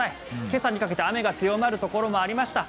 今朝にかけて雨が強まるところもありました。